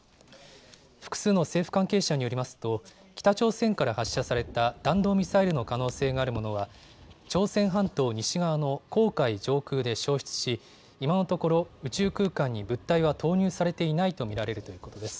複数の政府関係者によりますと、北朝鮮から発射された弾道ミサイルの可能性があるものは、朝鮮半島西側の黄海上空で消失し、今のところ、宇宙空間に物体は投入されていないと見られるということです。